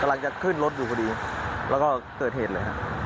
กำลังจะขึ้นรถอยู่พอดีแล้วก็เกิดเหตุเลยครับ